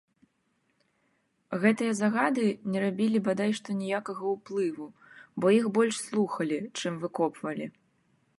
Гэтыя загады не рабілі бадай што ніякага ўплыву, бо іх больш слухалі, чым выкопвалі.